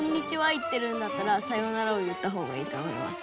言ってるんだったら「さようなら」を言った方がいいと思います。